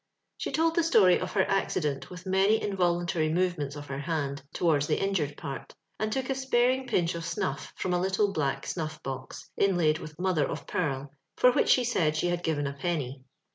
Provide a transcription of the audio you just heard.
She told the story of her accident with many involuntary movements of her hand to wards the injured part, and took a sparing pinch of snutr from a little black snuif box, inlaid with mother of pearl, for which she said she had given a penny.